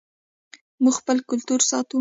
موږ خپل کلتور ساتو